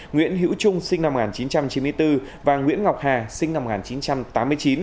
nguyễn hữu trung sinh năm một nghìn chín trăm chín mươi bốn và nguyễn ngọc hà sinh năm một nghìn chín trăm tám mươi chín